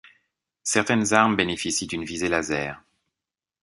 Certaines armes bénéficient d'une visée laser.